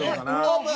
オープン！